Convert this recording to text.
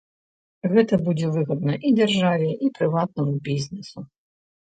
Гэта будзе выгадна і дзяржаве, і прыватнаму бізнэсу.